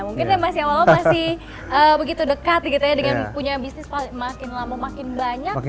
mungkin masih awal awal masih begitu dekat gitu ya dengan punya bisnis makin lama makin banyak